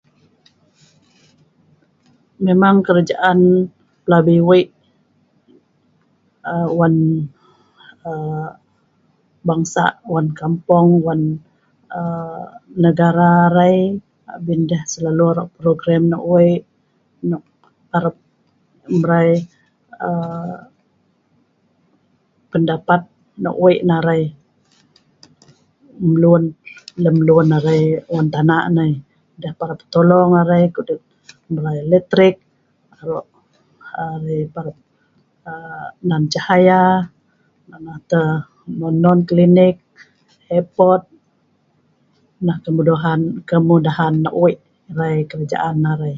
Memang kerajaan plabi' wei, a wan' bangsa', wan' kampung, wan' Negara arai abin deh selalu aro' program nok wei nok arap mrai aa pendapat nok wei na'rai mluen lem luen na'rai wan' tana' nai. Deh parap tolong arai ko'duet mrai eletrik aro um arai parap aa nan cahaya nonoh tah ko'duet klinik, airport, nah kemudahan kemudahan nok wei kerajaan mrai na'rai.